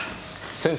先生？